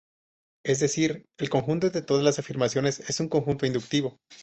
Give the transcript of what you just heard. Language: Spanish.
Es decir, el conjunto de todas las afirmaciones es un conjunto inductivo.